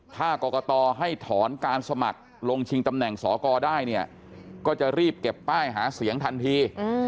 ถ้ากรกตให้ถอนการสมัครลงชิงตำแหน่งสอกรได้เนี่ยก็จะรีบเก็บป้ายหาเสียงทันที